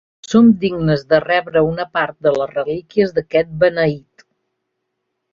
Som dignes de rebre una part de les relíquies d'aquest Beneït.